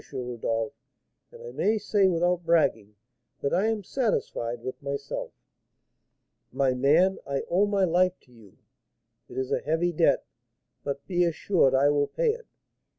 Rodolph; and I may say, without bragging, that I am satisfied with myself." "My man, I owe my life to you; it is a heavy debt, but be assured I will pay it.